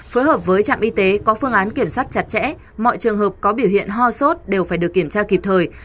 phối hợp với trạm y tế có phương án kiểm soát chặt chẽ mọi trường hợp có biểu hiện ho sốt đều phải được kiểm tra kịp thời